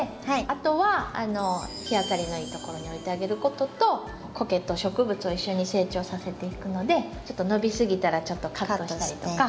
あとは日当たりのいいところに置いてあげることとコケと植物を一緒に成長させていくのでちょっと伸びすぎたらちょっとカットしたりとか。